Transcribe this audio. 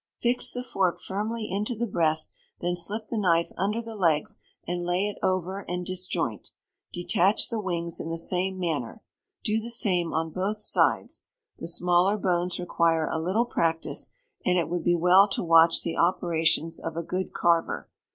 Fix the fork firmly into the breast, then slip the knife under the legs, and lay it over and dis joint; detach the wings in the same manner. Do the same on both sides, The smaller bones require a little practice, and it would be well to watch the operations of a good carver.